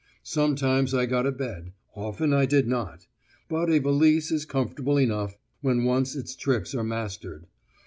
Sometimes I got a bed; often I did not; but a valise is comfortable enough, when once its tricks are mastered.